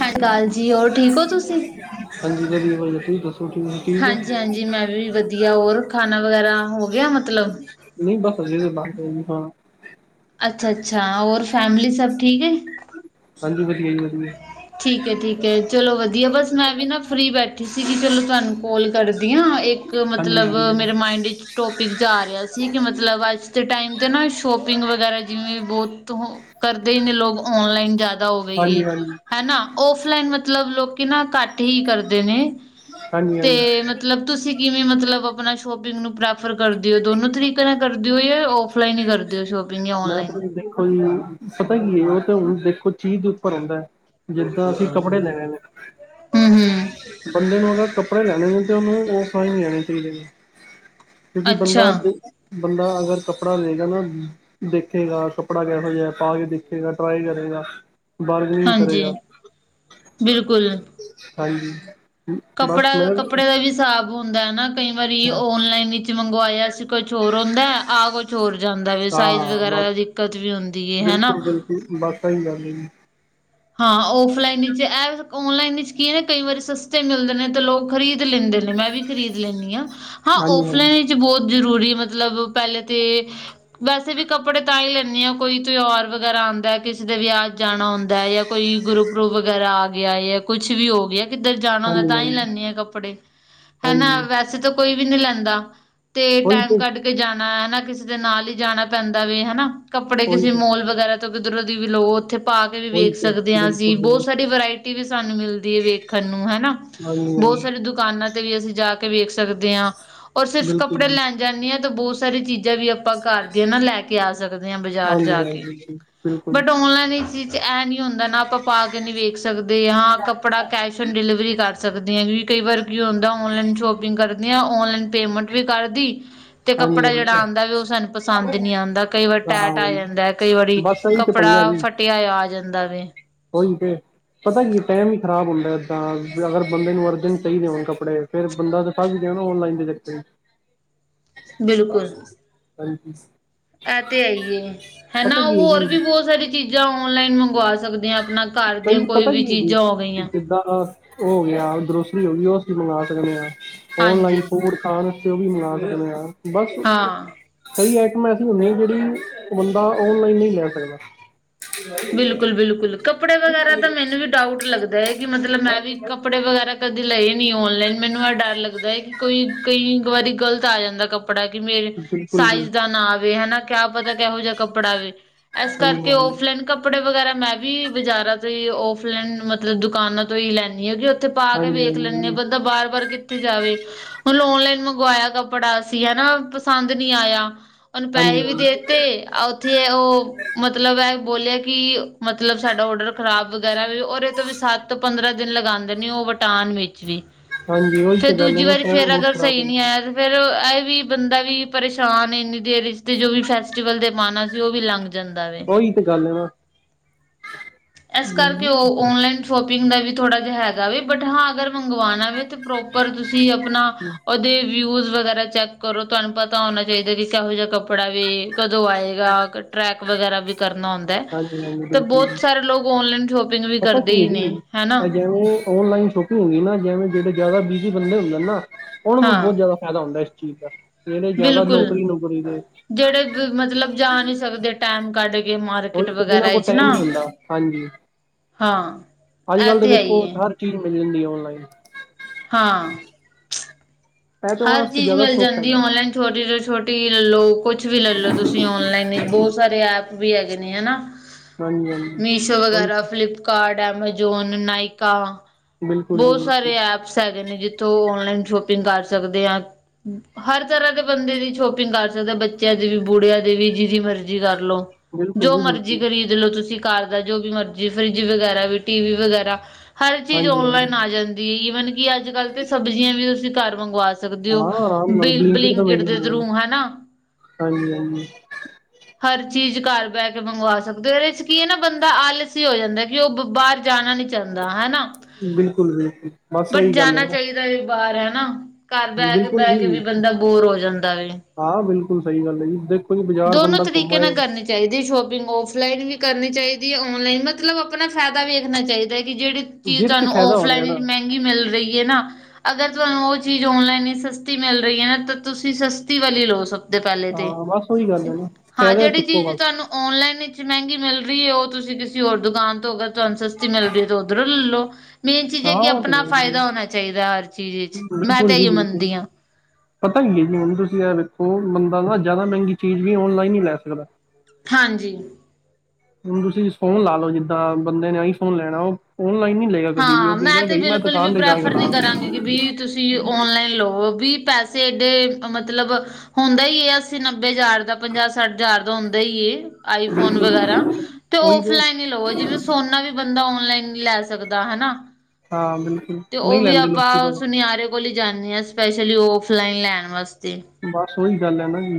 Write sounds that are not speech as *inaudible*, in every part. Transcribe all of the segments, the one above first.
ਹੈਕਾਲ ਜੀ, ਹੋਰ ਠੀਕ ਹੋ ਤੁਸੀਂ। ਹਾਂਜੀ ਹੈਗਾ, ਤੁਸੀ ਦੱਸੋ ਕਿਵੇਂ। ਹਾਂਜੀ- ਹਾਂਜੀ ਮੈਂ ਵੀ ਵਧੀਆ, ਹੋਰ ਖਾਣਾ ਵਗੈਰਾ ਹੋ ਗਿਆ ਮਤਲਬ। ਨਹੀਂ ਬਸ ਅਜੇ ਬਾਦ ਚ'। ਅੱਛਾ-ਅੱਛਾ, ਔਰ ਫੈਮਲੀ ਸਭ ਠੀਕ ਹੈ। ਹਾਂਜੀ ਵਧੀਆ ਜੀ ਵਧੀਆ। ਠੀਕ ਹੈ ਠੀਕ ਹੈ ਚਲੋ ਵਧੀਆ, ਬਸ ਮੈਂ ਵੀ ਨਾ ਫਰੀ ਬੈਠ। ਠੀਕ ਸੀ ਕਿ ਚਲੋ ਤੁਹਾਨੂੰ ਕੋਲ ਕਰਦੀ ਹਾਂ, ਇੱਕ ਹਾਂਜੀ ਮਤਲਬ ਹਾਂਜੀ ਮੇਰੇ ਮਾਇੰਡ ਵਿੱਚ। ਟੋਪਿਕ ਜਾ ਰਿਹਾ ਸੀ, ਕਿ ਮਤਲਬ ਅੱਜ ਦੇ ਟਾਈਮ ਤੇ ਨਾ ਸ਼ੋਪਿੰਗ ਵਗੈਰਾ ਜਿਵੇਂ ਬਹੁਤ। ਕਰਦੇ ਹੀ ਨੇ ਲੋਕ, ਔਨਲਾਈਨ ਜ਼ਿਆਦਾ ਹਾਂਜੀ ਹੋਵੇਏ। ਹਾਂਜੀ ਹਨਾ, ਓਫਲਾਈਨ ਮਤਲਬ ਲੋਕੀ ਨਾ ਘੱਟ ਹੀ ਕਰਦੇ ਨੇ, ਹਾਂਜੀ ਹਾਂਜੀ ਤੇ ਮਤ। ਮਤਲਬ ਤੁਸੀਂ ਕਿਵੇਂ ਮਤਲਬ ਆਪਣਾ ਸ਼ੋਪਿੰਗ ਨੂੰ ਪ੍ਰੈਫਰ ਕਰਦੇ ਹੋ ਦੋਨੋਂ ਤਰੀਕੇ ਨਾਲ ਕਰਦੇ ਹੋ ਯਾ ਔ। ਫਲਾਈਨ ਹੀ ਕਰਦੇ ਹੋ ਸ਼ੋਪਿੰਗ ਜਾਂ ਮੈਂ ਔਨਲਾਈਨ। ਤਾਂ ਜੀ ਦੇਖੋ ਪਤਾ ਕੀ ਏ ਉਹ ਤੇ ਹੁਣ ਦੇਖੋ ਚੀਜ਼ ਦੇ ਉੱਪਰ ਰਹਿੰਦੈ। ਜਿੱਦਾਂ ਅਸੀਂ ਕੱਪੜੇ ਦੇਣੇ ਨੇ। ਹੂੰ ਹੂੰ ਬੰਦੇ ਨੂੰ ਅਗਰ ਕੱਪੜੇ ਲੈਣੇ ਨੇ ਤੇ ਉਹਨੂੰ ਆਫਲਾਈਨ ਲੈਣੇ ਚਾਹੀਦੇ ਨੇ। ਕਿਉਂਕਿ ਅੱਛਾ ਬੰਦਾ-ਬੰਦਾ ਅਗਰ। ਕੱਪੜਾ ਲਏਗਾ ਨਾ ਦੇਖੇਗਾ ਕੱਪੜਾ ਕੈਹੋ ਜਿਹਾ ਪਾ ਕੇ ਦੇਖੇਗਾ ਟਰਾਈ ਕਰੇਗਾ। ਬਾਰਗਨਿੰਗ ਹਾਂਜੀ ਕਰੇਗਾ ਬਿਲਕੁਲ ਹਾਂਜੀ। ਬਸ ਕੱਪੜਾ ਕੱਪੜੇ ਦਾ ਮੈਂ ਵੀ ਹਿਸਾਬ ਹੁੰਦੈ ਨਾ। ਕਈ ਵਾਰੀ ਓਨਲਾਈਨ ਚ ਮੰਗਵਾਇਆ ਸੀ ਕੁਛ ਹੋਰ ਹੁੰਦੈ ਆ ਕੁਛ ਹੋਰ ਜਾਂਦਾ ਵੇ ਸਾਈਜ਼ ਹਾਂ ਬਸ ਵਗੈਰਾ। ਦਿੱਕਤ ਵੀ ਹੁੰਦੀ ਏ ਹਨਾ। ਬਿਲਕੁਲ ਬਸ ਇਹੀ ਗੱਲ ਹੈ ਜੀ। ਹਾਂ ਓਫਲਾਈਨ ਵਿਚ ਇਹ ਔਨਲਾਈਨ ਵਿਚ ਕੀ ਏ ਕਈ ਵਾਰੀ ਸਸਤੇ ਮਿਲਦੇ ਨੇ ਤੇ ਲੋਕ ਖਰੀਦ ਲੈਂਦੇ ਨੇ। ਮੈਂ ਵੀ ਖਰੀਦ ਲੈਂਨੀ ਆਂ ਹਾਂ ਹਾਂਜੀ ਓਫਲਾਈਨ ਹਾਂਜੀ ਵਿੱਚ ਬਹੁਤ ਜ਼ਰੂਰੀ ਮਤਲਬ ਪਹਿਲੇ ਤੇ। ਵੈਸੇ ਵੀ ਕੱਪੜੇ ਤਾਂ ਹੀ ਲੈਂਨੇ ਹਾਂ ਕੋਈ ਤਿਉਹਾਰ ਵਗੈਰਾ ਆਂਦੈ ਕਿਸੇ ਦੇ ਵਿਆਹ ਜਾਣਾ ਹੁੰਦੈ ਜਾਂ। ਕੋਈ ਗੁਰ ਵਗੈਰਾ ਆ ਗਿਆ ਯਾ ਕੁੱਛ ਵੀ ਹੋ ਗਿਆ। ਕਿੱਧਰ ਜਾਣਾ ਹੁੰਦਾ ਹਾਂਜੀ ਤਾਂ ਹੀ ਹਾਂਜੀ ਲੈਂਨੀ ਆਂ ਕੱਪੜੇ ਹਨਾ ਹਾਂਜੀ ਵੈਸੇ ਤਾਂ ਕੋਈ ਵੀ ਨਹੀਂ ਲੈਂਦਾ ਤੇ ਉਹੀ ਟਾਈਮ ਤੇ ਕੱਢ ਕੇ ਜਾਣਾ ਹਨਾ ਕਿਸੇ ਦੇ ਨਾਲ ਹੀ ਜਾਣਾ ਪੈਂਦਾ ਵੇ ਹਨਾ ਕੱਪੜੇ ਉਹੀ ਕਿਸੇ ਤੇ ਮੋਲ ਵਗੈਰਾ ਤੋਂ ਕਿਧਰੋਂ ਦੀ ਵੀ ਲੋਓ ਉੱਥੇ ਪਾ ਕੇ ਵੀ ਉਹੀ ਵੇਖ ਤੇ ਸਕਦੇ ਹਾਂ ਅਸੀਂ ਬਿਲਕੁਲ ਬਹੁਤ ਬਿਲਕੁਲ ਸਾਰੀ ਵਰਾਇਟੀ ਟੀ ਵੀ ਸਾਨੂੰ ਮਿਲਦੀ ਏ ਵੇਖਣ ਨੂੰ ਹਨਾ ਹਾਂਜੀ ਬਹੁਤ ਹਾਂਜੀ ਸਾਰੀ ਦੁਕਾਨਾਂ ਤੇ ਵੀ ਅਸੀਂ ਜਾ ਕੇ ਕੇ ਵੇਖ ਸਕਦੇ ਹਾਂ ਔਰ ਸਿਰਫ ਬਿਲਕੁਲ ਕੱਪੜੇ ਜੀ ਲੈਣ ਜਾਂਦੀ ਹਾਂ ਤਾਂ ਬਹੁਤ ਸਾਰੀ ਚੀਜ਼ਾਂ ਵੀ ਆਪਾਂ ਘਰ ਦੀਆਂ ਨਾ ਲੈ ਕੇ ਆ ਸਕਦੇ ਹਾਂ ਬਾਜ਼ਾਰ ਹਾਂਜੀ ਜਾ ਕੇ ਹਾਂਜੀ *unintelligible* ਬਟ ਓਨਲਾਈਨ ਚੀਜ਼ ਚ ਇਹ ਨੀ ਹੁੰਦਾ ਨਾ ਆਪਾਂ ਪਾ ਕੇ ਨਹੀਂ ਵੇਖ ਸਕਦੇ ਹਾਂ ਕੱਪੜਾ ਕੈਸ਼ ਡਿਲੀਵਰੀ ਕਰ ਸਕਦੇ ਆਂ ਕਿਉਂਕਿ ਕਈ ਵਾਰ ਕੀ ਹੁੰਦੈ ਔਨਲਾਈਨ ਸ਼ੋਪਿੰਗ ਕਰਦੇ ਆਂ ਔਨਲਾਈਨ ਪੇਮੈਂਟ ਵੀ ਕਰਦੀ ਤੇ ਹਾਂਜੀ ਕੱਪੜਾ ਜਿਹੜਾ ਹਾਂਜੀ ਆਂਦੈ ਵੀ ਉਹ ਸਾਨੂੰ ਪਸੰਦ ਨਹੀਂ ਆਂਦਾ ਕਈ ਵਾਰੀ ਹਾਂ ਟੈਟ ਆ ਜਾਂਦੈ ਕਈ ਵਾਰੀ ਬਸ ਇਹੀ ਤੇ ਪੰਗਾ ਕੱਪੜਾ ਜੀ ਫੱਟ ਟਿਆ ਆ ਜਾਂਦਾ ਵੇ ਉਹੀ ਤੇ ਪਤਾ ਕੀ ਟਾਈਮ ਹੀ ਖ਼ਰਾਬ ਹੁੰਦੈ ਇੱਦਾਂ ਅਗਰ ਬੰਦੇ ਨੂੰ ਅਰਜਨਟ ਚਾਹੀਦੇ ਹੋਣ ਕੱਪੜੇ ਫੇਰ ਬੰਦਾ ਤੇ ਫਸ ਗਿਆ ਨਾ ਔਨਲਾਈਨ ਦੇ ਵਿੱਚੇ ਈ ਬਿਲਕੁਲ ਹਲਜੀ *unintelligible* ਇਹ ਤੇ ਹੈਈਏ ਹਨਾ ਉਹ ਹੋਰ ਵੀ ਜੀ ਬਹੁਤ ਸਾਰੀ ਚੀਜ਼ਾਂ ਔਨਲਾਈਨ ਮੰਗਵਾ ਸਕਦੇ ਹਾਂ ਆਪਣਾ ਘਰ ਦੀਆਂ ਕੋਈ ਵੀ ਚੀਜ਼ਾਂ ਹੋ ਗਈਆਂ ਜਿੱਦਾ ਹੋ ਗਿਆ ਗਰੋਸਰੀ ਹੋ ਗਈ ਉਹ ਅਸੀਂ ਮੰਗਵਾ ਸਕਦੇ ਹਾਂ ਓਨਲਾਈਨ ਹਾਂਜੀ ਫੂਡ ਖਾਣ ਤੇ ਉਹ ਵੀ ਮੰਗਵਾ ਸਕਦੇ ਹਾਂ ਬਸ ਹਾਂ ਕਈ ਆਈਟਮਾਂ ਐਸੀ ਹੁੰਦੀਐਂ ਜਿਹੜੀ ਬੰਦਾ ਓਨਲਾਈਨ ਨਹੀਂ ਲੈ ਸਕਦਾ ਬਿਲਕੁਲ ਬਿਲਕੁਲ ਕੱਪੜੇ ਵਗੈਰਾ ਤਾਂ ਮੈਨੂੰ ਵੀ ਡਾਊਟ ਲੱਗਦੈ ਕਿ ਮਤਲਬ ਮੈਂ ਵੀ ਕੱਪੜੇ ਵਗੈਰਾ ਕਦੇ ਲਏ ਨੀ ਔਨਲਾਈਨ ਮੈਨੂੰ ਐ ਡਰ ਲੱਗਦੈ ਕਿ ਕੋਈ ਕਈ ਵਾਰੀ ਗ਼ਲਤ ਆ ਜਾਂਦਾ ਕੱਪੜਾ ਕਿ ਮੇਰੇ ਬਿਲਕੁਲ ਜੀ ਸਾਈਜ਼ ਦਾ ਨਾਂਵੇ ਹਨਾ ਕਿਆ ਪਤਾ ਕਿਹੋ ਜਿਹਾ ਕੱਪੜਾ ਵੇ ਇਸ ਹਾਂਜੀ ਕਰਕੇ ਉਹ ਹਾਂਜੀ ਕੱਪੜੇ ਵਗੈਰਾ ਮੈਂ ਵੀ ਬਜ਼ਾਰਾਂ ਤੋਂ ਹੀ ਔਫਲਾਈਨ ਮਤਲਬ ਦੁਕਾਨਾਂ ਤੋਂ ਹੀ ਲੈਂਨੀ ਹਾਂ ਕਿ ਉੱਥੇ ਪਾ ਕੇ ਹਾਂਜੀ ਵੇਖ ਹਾਂਜੀ ਲੈਂਨੀ ਹਾਂ ਬੰਦਾ ਹਾਂਜੀ ਬਾਰ ਬਾਰ ਜਾਵੇ ਹੁਣ ਓਨਲਾਈਨ ਮੰਗਵਾਇਆ ਕੱਪੜਾ ਅਸੀਂ ਹਨਾ ਪਸੰਦ ਨੀ ਆਇਆ ਉਹਨੂੰ ਪੈਹੇ ਹਾਂਜੀ ਵੀ ਦੇਤੇ ਆ ਉੱਥੇ ਉਹ ਮਤਲਬ ਹੈ ਬੋਲਿਆ ਕਿ ਮਤਲਬ ਸਾਡਾ ਔਡਰ ਖਰਾਬ ਵਗੈਰਾ ਵੀ ਔਰ ਇਹ ਤੋਂ ਵੀ ਸੱਤ ਪੰਦਰਾਂ ਦਿਨ ਲਗਾਉਂਦੇ ਨੇ ਉਹ ਤਾਨ ਵਿੱਚ ਵੀ ਹਾਂਜੀ ਉਹੀ ਫਿਰ ਤਾਂ ਗੱਲ ਹੈ ਦੂਜੀ ਨਾ ਵਾਰੀ ਟਾਈਮ ਫੇਰ ਬਹੁਤ ਅਗਰ ਖ਼ਰਾਬ ਸਹੀ ਨੀ ਹੁੰਦਾ ਆਇਆ ਫਿਰ ਇਹ ਵੀ ਬੰਦਾ ਵੀ ਪਰੇਸ਼ਾਨ ਹੈ ਇੰਨੀ ਦੇਰ ਵਿੱਚ ਅਤੇ ਜੋ ਵੀ ਫੈਸਟੀਵਲ ਤੇ ਪਾਣਾ ਸੀ ਉਹ ਵੀ ਲੰਘ ਜਾਂਦਾ ਵਾ ਉਹੀ ਤੇ ਗੱਲ ਹੈ ਨਾ। ਇਸ ਕਰਕੇ ਹਾਂਜੀ ਉਹ ਔਨਲਾਈਨ ਸ਼ੋਪਿੰਗ ਦਾ ਵੀ ਥੋੜ੍ਹਾ ਜਿਹਾ ਹੈਗਾ ਵੇ ਬਟ ਹਾਂ ਜੇ ਅਗਰ ਮੰਗਵਾਉਣਾ ਵੇ ਪ੍ਰੋਪਰ ਤੁਸੀਂ ਆਪਣਾ ਉਹਦੇ ਵਿਊਜ ਵਗੈਰਾ। ਚੈੱਕ ਕਰੋ ਤੁਹਾਨੂੰ ਪਤਾ ਹੋਣਾ ਚਾਹੀਦਾ ਕਿ ਕਿਹੋ ਜਿਹਾ ਕੱਪੜਾ ਵੀ ਕਦੋਂ ਆਏਗਾ ਟਰੈਕ ਵਗੈਰਾ ਵੀ ਕਰਨਾ ਹੁੰਦਾ। ਹੈ ਹਾਂਜੀ ਹਾਂਜੀ ਤੇ ਬਿਲਕੁਲ ਜੀ। ਬਹੁਤ ਸਾਰੇ ਲੋਕ ਔਨਲਾਈਨ ਸ਼ੋਪਿੰਗ ਵੀ ਪਤਾ ਕਰਦੇ ਕੀ ਹੈ ਈ ਨੇ ਜੀ ਹੈ ਨਾ ਇਹ ਜਿਵੇਂ ਔਨਲਾਈਨ ਸ਼ੋਪਿੰਗ ਹੁੰਈ ਨਾ ਜਿਵੇਂ ਜਿਹੜੇ ਜ਼ਿਆਦਾ ਬਿਜ਼ੀ ਬੰਦੇ ਹੁੰਦੇ ਨੇ ਨਾ ਉਹਨਾ ਨੂੰ ਹਾਂ ਬਹੁਤ ਜ਼ਿਆਦਾ ਫਾਇਦਾ ਹੁੰਦਾ ਇਸ ਚੀਜ਼ ਦਾ ਜਿਹੜੇ ਜ਼ਿਆਦਾ ਬਿਲਕੁਲ ਨੌਕਰੀ ਨੁਕਰੀ ਦੇ। ਜਿਹੜੇ ਮਤਲਬ ਜਾ ਨਹੀਂ ਸਕਦੇ ਟਾਈਮ ਕੱਢ ਕੇ ਮਾਰਕਟ ਉਹੀ ਜਿਹਨਾਂ ਵਗੈਰਾ ਕੋਲ ਵਿੱਚ ਟਾਈਮ ਨਾ ਨਹੀਂ ਹੁੰਦਾ ਹਾਂਜੀ ਹਾਂ। ਅੱਜ ਇਹ ਕੱਲ੍ਹ ਤਾਂ ਤੇ ਹੈ ਵੇਖੋ ਹੀ ਹੈ ਹਰ ਚੀਜ਼ ਮਿਲ ਜਾਂਦੀ ਆ ਔਨਲਾਈਨ ਹਾਂ ਇਹ ਤਾਂ ਉਹਨਾਂ ਹਰ ਵਾਸਤੇ ਚੀਜ਼ ਜ਼ਿਆਦਾ ਮਿਲ ਸੁੱਖ ਜਾਂਦੀ ਹੈਗਾ ਔਨਲਾਈਨ ਛੋਟੀ ਤੋਂ ਛੋਟੀ ਲੈ ਲੋ ਕੁੱਛ ਵੀ ਲੈ ਲੋ ਤੁਸੀਂ ਔਨਲਾਈਨ ਬਹੁਤ ਸਾਰੇ ਐਪ ਵੀ ਹੈਗੇ ਨੇ ਹੈ ਨਾ ਹਾਂਜੀ ਹਾਂਜੀ ਮੀਸ਼ੋ ਵਗੈਰਾ ਹਾਂਜੀ ਫਲਿਪ ਕਾਰਟ ਐਮਾਜੋਨ ਨਾਇਕਾ ਬਿਲਕੁਲ ਜੀ ਬਹੁਤ ਬਿਲਕੁਲ ਸਾਰੇ ਐਪਸ ਸ ਹੈਗੇ ਨੇ ਜਿੱਥੋਂ ਓਨਲਾਈਨ ਸ਼ੋਪਿੰਗ ਕਰ ਸਕਦੇ ਆ ਹਰ ਤਰ੍ਹਾਂ ਦੇ ਬੰਦੇ ਦੀ ਸ਼ੋਪਿੰਗ ਕਰ ਸਕਦਾ ਬੱਚਿਆਂ ਦੇ ਵੀ ਬੁੜਿਆਂ ਦੇ ਵੀ ਜਿਦੀ ਮਰਜੀ ਕਰ ਲਉ। ਬਿਲਕੁਲ ਜੋ ਜੀ ਮਰਜੀ ਬਿਲਕੁਲ ਕਰੀ ਚੱਲ ਤੁਸੀ ਘਰ ਦਾ ਜੋ ਵੀ ਮਰਜੀ ਫਰਿਜ ਵਗੈਰਾ ਵੀ ਟੀਵੀ ਵਗੈਰਾ। ਹਰ ਚੀਜ਼ ਹਾਂਜੀ ਹਾਂਜੀ ਔਨਲਾਈਨ ਆ ਜਾਂਦੀ ਈਵਨ ਕਿ ਅੱਜ ਕੱਲ੍ਹ ਤੇ ਸਬਜ਼ੀਆਂ ਵੀ ਤੁਸੀਂ ਘਰ ਮੰਗਵਾ ਸਕਦੇ। ਸਕਦੇ ਹੋ ਹਾਂ ਆਰਾਮ ਨਾਲ ਬਲਿ ਬਲਿੰਕਿਟ ਦੇ ਥਰੂ ਹੈ ਨਾ। ਹਾਂਜੀ-ਹਾਂਜੀ। ਹਰ ਚੀਜ਼ ਘਰ ਬੈ ਕੇ ਮੰਗਵਾ ਸਕਦੇ ਉਹਦੇ ਚ ਕੀ ਐ ਨਾ ਬੰਦਾ ਆਲਸੀ ਹੋ ਜਾਂਦੈ ਕੀ ਉਹ ਬਾਰ ਜਾਣਾ ਨੀ ਚਾਹੁੰਦਾ ਹੈ ਨਾ। ਬਿਲਕੁਲ ਬਿਲਕੁਲ ਬਸ ਇਹੀ ਗੱਲ ਹੈ ਨਾ। ਕਈ ਬਾਰ ਹੈ ਨਾ ਘਰ ਬੈ ਕੇ ਬਿਲਕੁਲ ਬੈ ਕੇ ਵੀ ਜੀ ਬੰਦਾ ਬੋਰ ਹੋ ਜਾਂਦਾ ਏ। ਹਾਂ ਬਿਲਕੁੱਲ ਸਈ ਗੱਲ ਐ ਜੀ ਦੇਖੋ ਜੀ ਬਾਜ਼ਾਰ ਦੋਨੋ ਬੰਦਾ ਘੁੰਮ ਤਰੀਕੇ ਨਾਲ ਆਏ। ਕਰਨੀ ਚਾਹੀਦੀ ਸ਼ੋਪਿੰਗ ਔਫਲਾਈਨ ਵੀ ਕਰਨੀ ਚਾਹੀਦੀ ਔਨਲਾਈਨ ਮਤਲਬ ਆਪਣਾ ਫੈਦਾ ਵੇਖਣਾ ਚਾਹੀਦਾ ਕੀ ਜਿਹੜੀ। ਚੀਜ਼ ਗਿਰ ਚ ਤੁਹਾਨੂੰ ਫਾਇਦਾ ਹੋ ਰਿਹਾ ਔਫਲਾਈਨ ਨਾ ਵਿੱਚ ਮਹਿੰਗੀ ਮਿਲ ਰਹੀ ਐ ਨਾ ਅਗਰ ਤੁਹਾਨੂੰ ਉਹ ਚੀਜ਼ ਓਨਲਾਈਨ ਵਿੱਚ ਸਸਤੀ ਮਿਲ ਰਹੀ ਐ ਨਾ ਤਾਂ ਤੁਸੀਂ ਸਸਤੀ ਵਾਲੀ ਲਉ ਸਗੋਂ। ਹਾਂ ਬਸ ਓਹੀ ਗੱਲ ਐ ਨਾ ਫੈਦਾ ਜਿਹੜੀ ਚੁੱਕੋ ਚੀਜ਼ ਬਸ। ਤੁਹਾਨੂੰ ਔਨਲਾਈਨ ਵਿੱਚ ਮਹਿੰਗੀ ਮਿਲ ਰਹੀ ਐ ਉਹ ਤੁਸੀਂ ਕਿਸੀ ਹੋਰ ਦੁਕਾਨ ਤੋਂ ਤੁਹਾਨੂੰ ਸਸਤੀ ਮਿਲ ਰੀ ਐ ਤਾਂ ਓਦਰੋ ਲੈ ਲੋੋਂ। ਮੇਨ ਚੀਜ਼ ਐ ਹਾਂ ਕਿ ਉਹ ਤੇ ਹੈ ਆਪਣਾ ਜੀ ਫਾਇਦਾ ਹੋਣਾ ਚਾਈਦਾ ਹਰ ਚੀਜ਼ ਵਿੱਚ ਮੈਂ ਤਾਂ ਬਿਲਕੁਲ ਏ ਜੀ ਈ ਬਿਲਕੁਲ ਮੰਨਦੀ ਆ। ਪਤਾ ਕੀ ਐ ਜੀ ਹੁਣ ਤੁਸੀਂ ਐ ਵੇਖੋ ਬੰਦਾ ਨਾ ਜਾਦਾ ਮੈਂਗੀ ਚੀਜ਼ ਵੀ ਔਨਲਾਈਨ ਨੀ ਲੈ ਸਕਦਾ। ਹਾਂਜੀ। ਹੁਣ ਤੁਸੀਂ ਫੋਨ ਲਾ ਲੋ ਜਿੱਦਾਂ ਬੰਦੇ ਨੇ ਆਈ ਫੋਨ ਲੈਣਾ ਓ ਔਨਲਾਈਨ ਨੀ ਲਏਗਾ। ਕਦੀ ਵੀ ਹਾਂ ਉਹ ਮੈਂ ਕਹੇਗਾ ਤੇ ਬਈ ਬਿਲਕੁੱਲ ਵੀ ਦੁਕਾਨ ਤੇ ਜਾ ਕੇ ਪ੍ਰੈਫਰ ਨਹੀ ਲਾ ਕਰਾਂਗੀ। ਵੀ ਤੁਸੀਂ ਔਨਲਾਈਨ ਲਵੋ ਵੀ ਪੈਸੇ ਏਡੇ ਮਤਲਬ ਹੁੰਦਾ ਈ ਆ- ਅਸੀ ਨੱਬੇ ਹਜ਼ਾਰ ਦਾ ਪੰਜਾਹ ਸੱਠ ਹਜ਼ਾਰ ਦਾ ਹੁੰਦਾ ਈ ਏ। ਆਈਫੋਨ ਬਿਲਕੁਲ ਵਗੈਰਾ ਤੇ ਓਫਲਾਈਨ ਈ ਲਵੋ ਜਿਵੇਂ ਸੋਨਾ ਵੀ ਬੰਦਾ ਔਨਲਾਈਨ ਨੀ ਲੈ ਸਕਦਾ ਹੈਨਾ ਹਾਂ ਬਿਲਕੁਲ ਤੇ ਓ ਨਹੀਂ ਵੀ ਲੈਂਦੇ ਲੋਕੀ ਆਪਾਂ ਪਰ ਸੁਨਿਆਰੇ ਕੋਲੀ ਜਾਂਨੇ ਆ ਸਪੈਸ਼ਲੀ ਔਫਲਾਈਨ ਲੈਣ ਵਾਸਤੇ। ਬਸ ਓਈ ਗੱਲ ਐ ਨਾ ਜੀ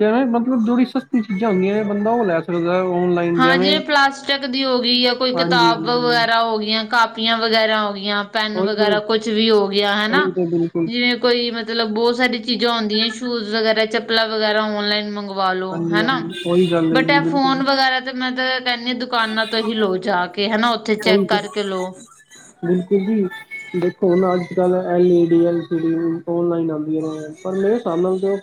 ਜਿਵੇਂ ਮਤਲਬ ਜੋ ਵੀ ਸਸਤੀ ਚੀਜ਼ਾਂ ਹੁੰਦੀਆਂ ਨੇ ਬੰਦਾ ਓ ਲੈ ਸਕ *unintelligible* ਔਨਲਾਈਨ। ਹਾਂ, ਜਿਵੇਂ ਜਿਵੇ ਪਲਾਸਟਿਕ ਦੀ ਹੋਗੀ ਯਾਂ ਕੋਈ ਹਾਂਜੀ ਕਿਤਾਬ ਹਾਂਜੀ ਵਗੈਰਾ ਹੋਗੀਆਂ ਕਾਪ ਪੀਆਂ ਵਗੈਰਾ ਹੋਗੀਆਂ, ਪੈੱਨ ਉਹੀ ਤੇ ਵਗੈਰਾ ਕੁੱਛ ਵੀ ਹੋ ਗਿਆ ਹੈਨਾ ਉਹੀ ਤਾਂ ਬਿਲਕੁਲ ਜਿਵੇਂ ਕੋਈ ਮਤਲਬ ਬੋਤ ਸਾਰੀ ਚੀਜ਼ਾਂ ਓਂਦੀਆਂ ਸ਼ੂਜ ਵਗੈਰਾ, ਚੱਪਲਾਂ ਵਗੈਰਾ ਔਨਲਾਈਨ ਮੰਗ ਵਾਲੋ ਹਾਂਜੀ ਹੈਨਾ ਹਾਂਜੀ ਉਹੀ ਗੱਲ ਹੈ ਬਟ ਜੀ ਐ ਬਿਲਕੁਲ ਫੋਨ ਵਗੈਰਾ ਤੇ ਮੈਂ ਤਾਂ ਕੈਨੀ ਆ ਦੁਕਾਨਾਂ ਤੋਂ ਹੀ ਲੋ ਜਾ ਕੇ ਹੈਨਾ ਓਥੇ ਚੈਕ ਕਰਕੇ ਲੋ। ਬਿਲਕੁੱਲ ਜੀ ਦੇਖੋ ਹੁਣ ਅੱਜ ਕੱਲ੍ਹ L E D, L C D online ਆਂਦੀਆਂ ਨੇ। ਪਰ ਮੇਰੇ ਸਾਬ ਨਾਲ ਤੇ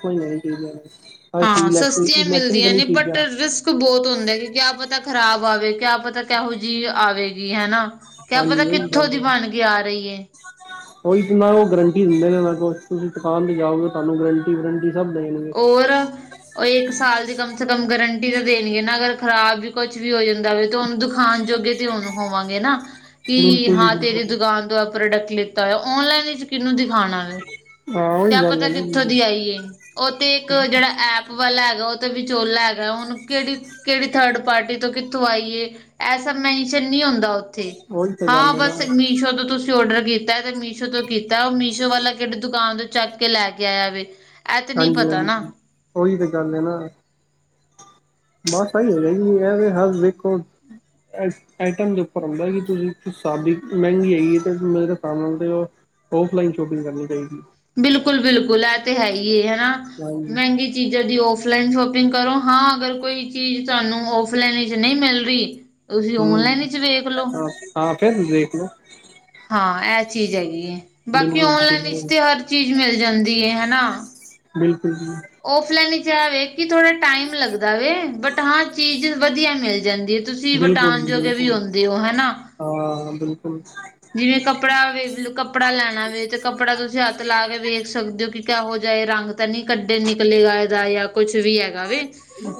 *unintelligible* ਹਾਂ, ਸਸਤੀਆਂ ਮਿਲਦੀਆਂ ਨੇ ਬਟ ਰਿਸ ਕ ਬੋਤ ਹੁੰਦਾ ਕੀ ਕਿਆ ਪਤਾ ਖ਼ਰਾਬ ਆਵੇ, ਕਿਆ ਪਤਾ ਕੈਹੋ ਜੀ ਆਵੇਗੀ ਹੈਨਾ। ਕਯਾ ਪਤਾ ਹਾਂਜੀ ਉਹੀ ਕਿੱਥੋਂ ਗੱਲ ਦੀ ਬਣ ਕੇ ਆ ਰੀ ਏ। ਓਹੀ ਤਾਂ ਨਾ ਓ ਗਰੰਟੀ ਦਿੰਦੇ ਨੇ ਨਾ ਕੁਝ ਤੁਸੀਂ ਦੁਕਾਨ ਤੇ ਜਾਓਗੇ ਤੁਹਾਨੂੰ ਗਰੰਟੀ ਵਰੰਟੀ ਸਬ ਮਿਲਣਗੇ। ਓ ਇੱਕ ਸਾਲ ਦੀ ਕਮ ਸੇ ਕਮ ਗਰੰਟੀ ਤਾਂ ਦੇਣਗੇ ਨਾ, ਅਗਰ ਖਰਾਬ ਵੀ ਕੁੱਛ ਵੀ ਹੋ ਜਾਂਦਾ ਵੇ ਤਾਂ ਓਨੂੰ ਦੁਖਾਨ ਜੋਗੇ ਤੇ ਹੁਣ ਹੋਵਾਂਗੇ ਨਾ ਕੀ ਬਿਲਕੁਲ ਜੀ ਹਾਂ ਤੇਰੀ ਬਿਲਕੁਲ ਦੁਕਾਨ ਤੋ ਆ ਪ੍ਰੋਡਕਟ ਲਿੱਤਾ ਏ ਔਨਲਾਈਨ 'ਚ ਕਿਨੂੰ ਦਿਖਾਣਾ। ਹਾਂ ਉਹੀ ਕਯਾ ਗੱਲ ਹੈ ਪਤਾ ਨਾ ਜੀ ਕਿੱਥੋਂ ਦੀ ਆਈਏ ਓ ਤੇ ਇੱਕ ਜੇੜਾ ਐਪ ਵਾਲਾ ਹੈਗਾ ਓ ਤੇ ਵਿਚੋਲਾ ਹੈਗਾ ਹੁਣ ਕੇੜੀ-ਕੇੜੀ ਥਰਡ ਪਾਰਟੀ ਤੋਂ ਕਿੱਥੋਂ ਆਈਏ। ਐ ਸਬ ਮੈਨਸ਼ਨ ਨੀ ਹੁੰਦਾ ਔ ਥੇ ਉਹੀ ਤਾਂ ਹਾਂ ਗੱਲ ਹੈ ਨਾ ਬਸ, ਮੀਸ਼ੋ ਤੋਂ ਤੁਸੀਂ ਓਡਰ ਕੀਤਾ ਤੇ ਮੀਸ਼ੋ ਤੋਂ ਕੀਤਾ ਓ ਮੀਸ਼ੋ ਵਾਲਾ ਕੇੜਾ ਦੁ ਕਾਨ ਤੋਂ ਚੱਕ ਕੇ ਲੈ ਕੇ ਆਇਆ ਵੇ। ਇਹ ਤੇ ਨਹੀਂ ਪਤਾ ਨਾ ਹਾਂਜੀ-ਹਾਂਜੀ ਓਈ ਤੇ ਗੱਲ ਏ ਨਾ। ਬਸ ਆਈ *unintelligible* ਵੇਖੋ ਏਸ ਆਈਟਮ ਦੇ ਉੱਪਰ ਹੋਂਦਾ ਕਿ ਤੁਸੀਂ ਸਾਦੀ ਮਹਿੰਗੀ ਹੈਗੀ ਤੇ। *unintelligible* ਔਫਲਾਈਨ ਸ਼ੋਪਿੰਗ ਕਰਨੀ ਚਾਹੀਦੀ। ਬਿਲਕੁਲ-ਬਿਲਕੁਲ ਐ ਤੇ ਹੈ ਹੀ ਏ ਹੈਨਾ ਹਾਂਜੀ ਮਹਿੰਗੀ ਚੀਜ਼ਾਂ ਦੀ ਔਫਲਾਈਨ ਸ਼ੋਪਿੰਗ ਕਰੋ ਹਾਂ, ਅਗਰ ਕੋਈ ਚੀਜ਼ ਤੁਹਾਨੂੰ ਔਫਲਾਈਨ ਵਿੱਚ ਨਹੀਂ ਮਿਲਰੀ ਤੁਸੀਂ ਹਮ ਔਨਲਾਈਨ ਵਿਚ ਵੇਖ ਲੋ। ਹਾਂ ਹਾਂ ਫੇਰ ਦੇਖ ਲੋ। ਹਾਂ, ਐ ਚੀਜ਼ ਹੈਗੀ ਏ ਬਾਕੀ ਬਿਲਕੁਲ ਔਨਲਾਈਨ ਇਸ ਤੇ ਹਰ ਚੀਜ਼ ਮਿਲ ਜਾਂਦੀ ਏ ਹੈਨਾ। ਬਿਲਕੁਲ ਜੀ। ਔਫਲਾਨ 'ਚ ਆ ਵੇ ਕਿ ਥੋੜਾ ਟਾਈਮ ਲੱਗਦਾ ਵੇ ਬਟ ਹਾਂ ਚੀਜ਼ ਵਧੀਆ ਮਿਲ ਜਾਂਦੀ ਏ। ਤੁਸੀਂ ਬਿਲਕੁਲ ਵਟਾਨ ਜੀ ਜੋਗੇ ਵੀ ਬਿਲਕੁਲ ਉਦੇਂ ਔ ਹੈਨਾ। ਹਾਂ, ਬਿਲਕੁਲ। ਜਿਵੇਂ ਕੱਪੜਾ ਵੇਖਲੋ ਕੱਪੜਾ ਲੈਣਾ ਵੇ ਤੇ ਕੱਪੜਾ ਤੁਸੀਂ ਹੱਥ ਲਾ ਕੇ ਵੇਖ ਸਕਦੇ ਹੋ ਕਿ ਕਿਹੋ ਜਾ ਏ ਰੰਗ। ਤਾਂ ਨੀ ਕੱਢੇ ਨਿਕਲੇਗਾ ਇਹਦਾ ਯਾਂ ਕੁਛ ਵੀ ਹੈਗਾ ਵੇ।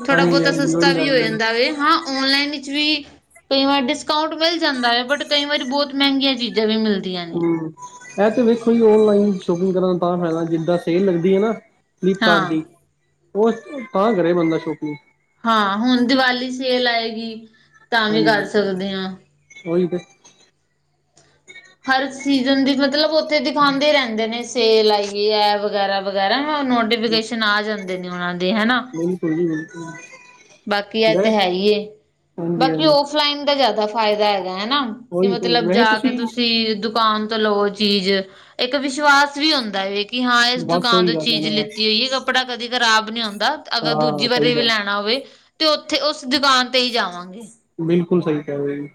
ਥੋੜਾ ਹਾਂਜੀ ਬੋਤਾ ਹਾਂਜੀ ਸਸਤਾ ਉਹੀ ਵੀ ਹੋ ਗੱਲ ਹੈ ਜਾਂਦਾ ਵੇ ਹਾਂ ਔਨਲਾਈਨ ਵਿੱਚ ਵੀ ਕਈ ਵਾਰ ਡਿਸਕਾਊਂਟ ਮਿਲ ਜਾਂਦਾ ਏ ਬਟ ਕਈ ਵਾਰੀ ਬਹੁਤ ਮੈੰਗੀਆਂ ਚੀਜ਼ਾਂ ਵੀ ਮਿਲ ਹਮ ਐ ਤੇ ਵੇਖੋ ਜੀ ਓਨਲਾਈਨ ਸ਼ੋਪਿੰਗ ਕਰਨ ਦਾ ਤਾਂ ਫਾਇਦਾ ਜਿੱਦਾਂ ਸੇਲ ਲੱਗਦੀ ਏ ਨਾ। ਫਲਿੱਪ ਕਾਰਟ ਹਾਂ। ਦੀ ਉਹ, ਤਾਂ ਕਰੇ ਬੰਦਾ ਸ਼ੋਪੀਂਗ। ਹਾਂ, ਹੁਣ ਦੀਵਾਲੀ ਸੇਲ ਆਏਗੀ, ਤਾਂ ਵੀ ਹਾਂਜੀ ਕਰ ਸਕਦੇ ਹਾਂ। ਉਹੀ ਤੇ ਹਰ ਸੀਜ਼ਨ ਦੀ ਮਤਲਬ ਉੱਥੇ ਦਿਖਾਉਂਦੇ ਰਹਿੰਦੇ ਨੇ ਸੇਲ ਆਈਏ ਹੈ, ਵਗੈਰਾ- ਵਗੈਰਾ ਮੈਂ ਨੋਟੀਫਿਕੇਸ਼ਨ ਆ ਜਾਂਦੇ ਨੇ ਉਹਨਾਂ ਦੀ, ਹਨਾ। ਬਿਲਕੁਲ ਜੀ ਬਿਲਕੁਲ। ਬਾਕੀ ਆ ਮੈਂ ਤੇ ਹੈ ਹੀ, ਹਾਂਜੀ ਬਾਕੀ ਹਾਂਜੀ ਔਫਲਾਈਨ ਦਾ ਜ਼ਿਆਦਾ ਫਾਇਦਾ ਹੈਗਾ ਹਨਾ। ਤੇ ਉਹੀ ਮਤਲਬ ਮੈਂ ਕਿਹਾ ਜਾ ਕੇ ਤੁਸੀਂ ਦੁਕਾਨ ਲ ਉਹ ਚੀਜ਼, ਇੱਕ ਵਿਸ਼ਵਾਸ ਵੀ ਹੁੰਦਾ ਹੈ ਕਿ ਹਾਂ ਇਸ ਬਸ ਦੁਕਾਨ ਉਹੀ ਤੋਂ ਗੱਲ ਹੈ ਚੀਜ਼ ਨਾ ਲਿੱਤੀ ਹੋਈ ਹੈ। ਕੱਪੜਾ ਕਦੀ ਖਰਾਬ ਨਹੀਂ ਆਉਂਦਾ, ਅਗਰ ਦੂਜੀ ਹਾਂ ਵਾਰੀ ਸਹੀ ਵੀ ਗੱਲ ਹੈ, ਲੈਣਾ ਹੋਵੇ। ਤੇ ਉੱਥੇ ਉਸ ਦੁਕਾਨ ਤੇ ਹੀ ਜਾਵਾਂਗੇ। ਬਿਲਕੁਲ ਸਹੀ ਕਹਿ ਰਹੇ ਜੀ।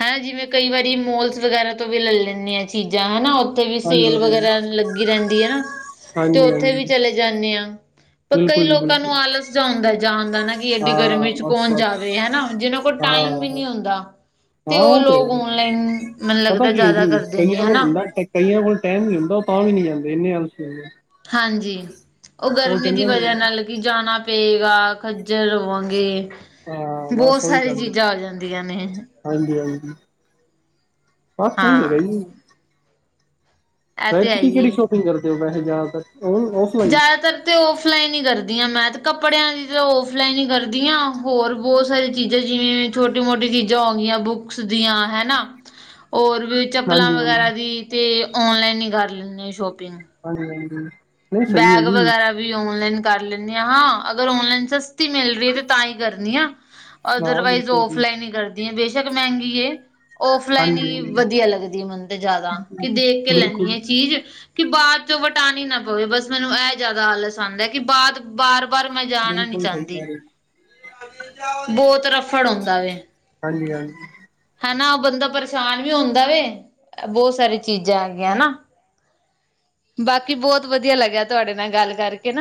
ਹੈ ਜਿਵੇਂ ਕਈ ਵਾਰੀ ਮੋਲਸ ਵਗੈਰਾ ਤੋਂ ਵੀ ਲੈ ਲੈਂਦੇ ਹ ਚੀਜ਼ਾਂ ਹਨਾ। ਉੱਥੇ ਵੀ ਹਾਂਜੀ ਸੇਲ ਹਾਂਜੀ ਵਗੈਰਾ ਲੱਗੀ ਰਹਿੰਦੀ ਆ ਨਾ, ਤੇ ਹਾਂਜੀ ਓਥੇ ਵੀ ਹਾਂਜੀ ਚਲੇ ਜਾਂਦੇ ਆ। ਪਰ ਕਈ ਬਿਲਕੁਲ ਜੀ ਲੋਕਾਂ ਨੂੰ ਬਿਲਕੁਲ ਆਲਸ ਜਿਹਾ ਹੁੰਦਾ ਜਾਣਦਾ ਨਾ ਜੀ। ਕਿ ਐਡੀ ਹਾਂ ਗਰਮੀ 'ਚ ਬਸ ਕੌਣ ਬਸ ਜਾਵੇ ਹਨਾ, ਜਿਹਨਾਂ ਕੋਲ ਹਾਂ ਟਾਈਮ ਵੀ ਨਹੀਂ ਹੁੰਂਦਾ। ਹਾਂ ਉਹ ਤੇ, ਮੈਨੂੰ ਪਤਾ ਲੱਗਦਾ ਕੀ ਹੈ ਜ਼ਿਆਦਾ ਜੀ, ਕਰਦੇ ਕਹੀ ਨੇ ਕੋਲ ਹਨਾ ਹੁੰਦਾ। ਕਈਆਂ ਕੋਲ ਟਾਈਮ ਨੀ ਹੁੰਦਾ ਉਹ ਤਾਂ ਵੀ ਨਹੀਂ ਜਾਂਦੇ ਇੰਨੇ ਆਲਸੀ ਹੁੰਦੇ। ਹਾਂਜੀ, ਉਹ ਗਰਮੀ ਦੀ ਕਹਿੰਦੇ ਨੇ ਵਜ੍ਹਾ ਨਾਲ ਕੀ ਜਾਣਾ ਪਏਗਾ, ਖੱਜਲ ਹੋਵਾਂਗੇ। ਹਾਂ ਬਹੁਤ ਬਸ ਉਹੀ ਸਾਰੀ ਗੱਲ ਹੈ ਚੀਜ਼ਾਂ ਆ ਜਾਂਦੀਆਂ ਨੇ। ਹਾਂਜੀ- ਹਾਂਜੀ ਬਸ ਸਹੀ ਹੈਗਾ ਹਾਂ ਜੀ। ਇਹ ਭੈ, ਤੇ ਹੈ ਤੁਸੀਂ ਹੀ ਕਿਹੜੀ ਏ ਸ਼ੋਪਿੰਗ ਕਰਦੇ ਹੋ ਵੈਸੇ ਜ਼ਿਆਦਾਤਰ ਔ ਔਫਲਾਈਨ ਜ਼ਿਆਦਾਤਰ। ਤੇ ਔਫਲਾਈਨ ਹੀ ਕਰਦੀ ਹਾਂ ਮੈਂ ਤੇ, ਕੱਪੜਿਆਂ ਦੀ ਤਾਂ ਔਫਲਾਈਨ ਹੀ ਕਰਦੀ ਹਾਂ, ਹੋਰ ਬਹੁਤ ਸਾਰੀਆਂ ਚੀਜ਼ਾਂ ਜਿਵੇਂ ਛੋਟੀ ਮੋਟੀ ਚੀਜ਼ਾਂ ਹੋਗੀਆਂ ਬੁੱਕਸ ਦੀਆਂ ਹਨਾ, ਹੋਰ ਵੀ। ਚੱਪਲਾਂ ਹਾਂਜੀ ਹਾਂਜੀ ਵਗੈਰਾ ਦੀ, ਤੇ ਔਨਲਾਈਨ ਹੀ ਕਰ ਲੈਂਦੇ ਸ਼ੋਪਿੰਗ। ਹਾਂਜੀ- ਹਾਂਜੀ। ਨਹੀਂ ਸਹੀ ਹੈ ਬੈਗ ਜੀ ਵਗੈਰਾ ਵੀ ਔਨਲਾਈਨ ਕਰ ਲੈਂਦੇ ਹ ਹਾਂ, ਅਗਰ ਔਨਲਾਈਨ ਸਸ ਸਸਤੇ ਮਿਲਦੇ, ਤੇ ਤਾਂ ਹੀ ਕਰਨੀ ਆ, ਹਾਂ ਅਦਰਵਾਈਜ਼ ਬਿਲਕੁਲ ਜੀ ਔਫਲਾਈਨ ਹੀ ਕਰਦੀ। ਦੀ ਬੇਸ਼ੱਕ ਮਹਿੰਗੀ ਏ ਔਫਲਾਈਨ ਹਾਂਜੀ ਹੀ ਹਾਂਜੀ ਵਧੀਆ ਲੱਗਦੀ ਮੈਨੂੰ ਤੇ ਜਿਆਦਾ, ਕਿ ਦੇਖ ਕੇ ਲੈਦੀ ਬਿਲਕੁਲ ਆ ਚੀਜ਼। ਕਿ ਬਾਅਦ 'ਚੋਂ ਵਟਾਣੀ ਨਾ ਪਵੇ ਬਸ ਮੈਨੂੰ ਇਹ ਜ਼ਿਆਦਾ ਆਲਸ ਆਉਦਾ ਹੈ ਕਿ ਬਾਅਦ ਬਾਰ- ਬਾਰ ਮੈਂ ਜਾਣਾ ਨੀ ਬਿਲਕੁਲ ਸਹੀ ਚਾਹੁੰਦੀ, ਕਹਿ ਰਹੇ ਬਹੁਤ ਰਫੜ ਹੁੰਦਾ ਵੇ। ਹਾਂਜੀ- ਹਾਂਜੀ, ਹਨਾ ਬੰਦਾ ਪਰੇਸ਼ਾਨ ਵੀ ਹੁੰਦਾ ਵੇ, ਬਹੁਤ ਸਾਰੀ ਚੀਜ਼ਾਂ ਹੈਗੀਆਂ ਹਨਾ। ਬਾਕੀ ਬਹੁਤ ਵਧੀਆ ਲੱਗਿਆ ਤੁਹਾਡੇ ਨਾਲ ਗੱਲ ਕਰਕੇ ਨਾ।